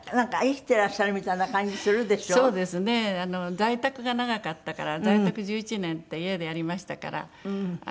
在宅が長かったから在宅１１年って家でやりましたから。